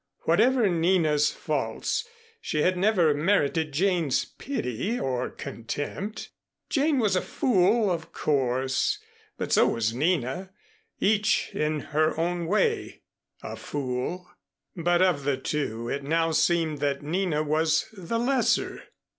Whatever Nina's faults, she had never merited Jane's pity or contempt. Jane was a fool, of course, but so was Nina, each in her own way a fool; but of the two it now seemed that Nina was the lesser.